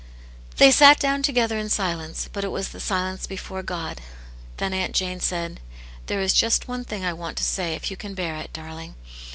They sat down together in silence, but it was silence before God. Then Aunt Jane safd, " There is just one thing I want to say, if you can bear ft, darling.